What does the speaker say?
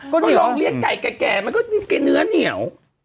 ก็ลองเลี้ยงไก่แก่มันก็กินเนื้อเหนียว